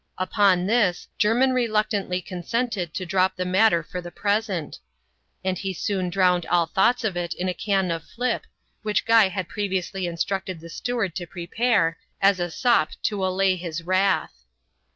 Upon this Jermin reluctantly consented to drop the matter for the present ; and he soon drowned all thoughts of it in a can of flip, which Guy had previously instructed the steward to prepare, as a sop to allay his wrath.